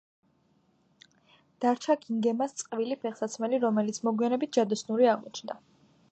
დარჩა გინგემას წყვილი ფეხსაცმელი, რომელიც მოგვიანებით ჯადოსნური აღმოჩნდა.